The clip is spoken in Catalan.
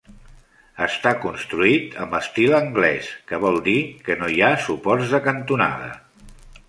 Està construït amb estil anglès, que vol dir que no hi ha suports de cantonada.